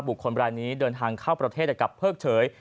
บุคคลใบนี้เดินทางเข้าประเทศแต่กับเพิ่มเฉย